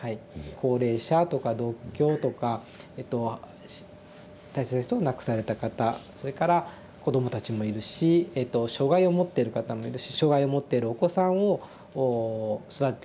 高齢者とか独居とかえと大切な人を亡くされた方それから子供たちもいるし障害を持ってる方もいるし障害を持ってるお子さんを育てていらっしゃる親御さんもいる。